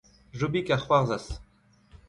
Jobig a c’hoarzhas.